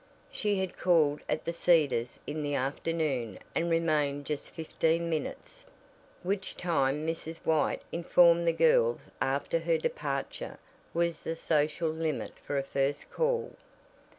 She had called at the Cedars in the afternoon and remained just fifteen minutes, which time Mrs. White informed the girls after her departure was the social limit for a first call.